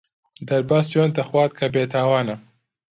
دەرباز سوێند دەخوات کە بێتاوانە.